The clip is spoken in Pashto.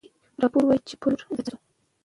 راپور وايي چې پلور زیات شو.